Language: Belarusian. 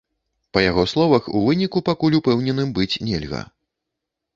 Па яго словах, у выніку пакуль упэўненым быць нельга.